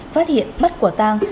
phát hiện bắt quả tang